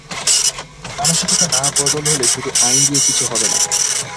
মানসিকতা না বদল হলে শুধু আইন দিয়ে কিছু হবে না।